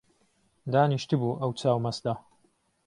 دانیشتبوو ئەو چاو مەستە